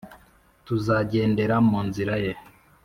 Tuzagendera mu nzira ye .